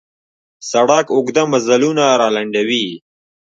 سړک اوږده مزلونه را لنډوي.